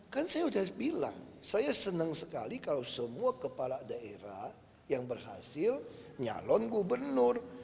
kan saya sudah bilang saya senang sekali kalau semua kepala daerah yang berhasil nyalon gubernur